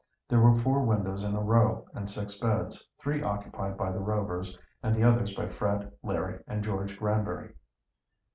There were four windows in a row, and six beds, three occupied by the Rovers and the others by Fred, Larry, and George Granbury.